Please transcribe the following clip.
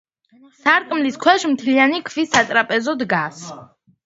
სარკმლის ქვეშ მთლიანი ქვის სატრაპეზო დგას.